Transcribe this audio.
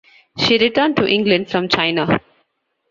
She returned to England from China.